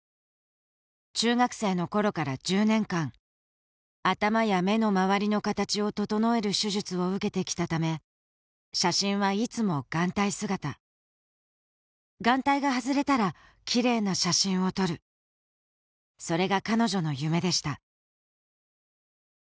中学生の頃から１０年間頭や目のまわりの形を整える手術を受けてきたため写真はいつも眼帯姿眼帯が外れたらきれいな写真を撮るそれが彼女の夢でした・